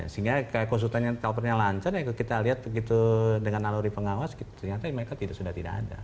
sehingga konsultannya covernya lancar ya kita lihat begitu dengan naluri pengawas ternyata mereka sudah tidak ada